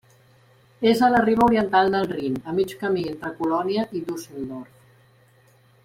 És a la riba oriental del Rin, a mig camí entre Colònia i Düsseldorf.